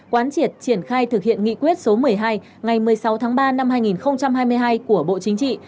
quán triệt triển khai thực hiện nghị quyết số một mươi hai ngày một mươi sáu tháng ba năm hai nghìn hai mươi hai của bộ chính trị